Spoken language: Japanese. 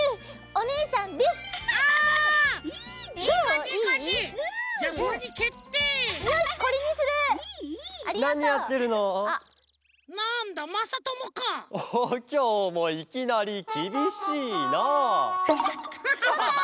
おおきょうもいきなりきびしいな。